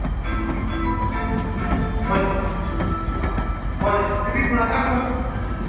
wenyewe bali hukusanya kutoka kwa vidudu wadudu na